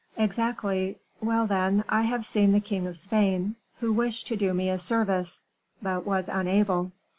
"Exactly. Well, then, I have seen the king of Spain, who wished to do me a service, but was unable.